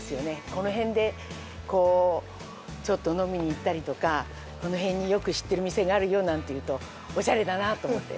この辺でこうちょっと飲みに行ったりとか「この辺によく知ってる店があるよ」なんて言うとオシャレだなと思って。